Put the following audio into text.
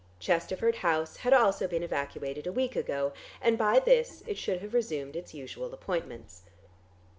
Chesterford House had also been evacuated a week ago and by this it should have resumed its usual appointments.